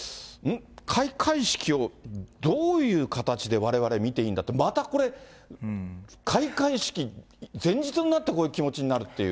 開会式をどういう形でわれわれ見ていいんだって、またこれ、開会式前日になってこういう気持ちになるっていう。